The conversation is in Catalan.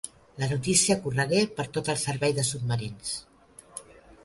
La notícia corregué per tot el servei de submarins.